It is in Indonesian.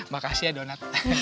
makasih ya donat